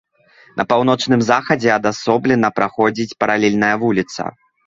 На паўночным захадзе адасоблена праходзіць паралельная вуліца.